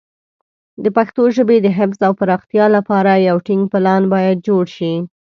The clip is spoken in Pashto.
د پښتو ژبې د حفظ او پراختیا لپاره یو ټینګ پلان باید جوړ شي.